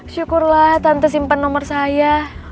syukurlah tante simpen nomor saya